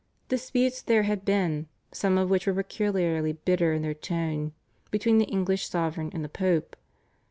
Disputes there had been, some of which were peculiarly bitter in their tone, between the English sovereigns and the Pope.